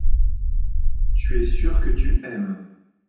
tu es sûr que tu aimes.